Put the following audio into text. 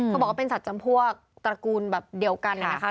เขาบอกว่าเป็นสัตว์จำพวกตระกูลแบบเดียวกันนะคะ